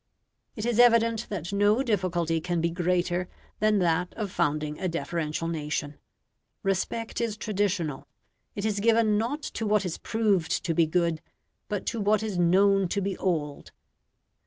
It is evident that no difficulty can be greater than that of founding a deferential nation. Respect is traditional; it is given not to what is proved to be good, but to what is known to be old.